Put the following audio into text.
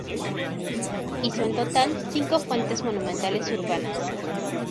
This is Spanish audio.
Hizo en total cinco fuentes monumentales urbanas.